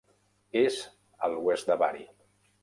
És a l'oest de Bari.